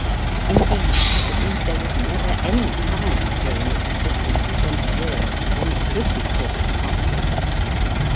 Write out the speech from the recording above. Indeed, I believe there was never any time during its existence of twenty years when it could be called prosperous.